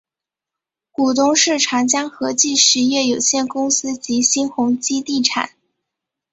股东是长江和记实业有限公司及新鸿基地产。